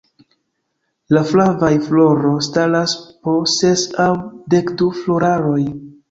La flavaj floro staras po ses aŭ dekdu floraroj.